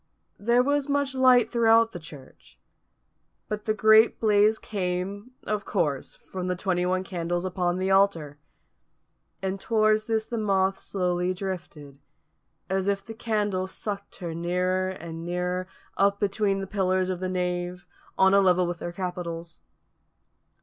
There was much light throughout the church; but the great blaze came, of course, from the twenty one candles upon the altar. And towards this the moth slowly drifted, as if the candles sucked her nearer and nearer, up between the pillars of the nave, on a level with their capitals.